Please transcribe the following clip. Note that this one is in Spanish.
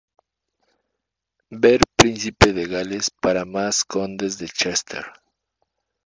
Ver príncipe de Gales para más condes de Chester.